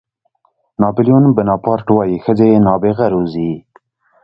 ناپلیون بناپارټ وایي ښځې نابغه روزي.